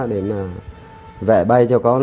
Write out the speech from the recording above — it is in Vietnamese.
để mà vẽ bay cho con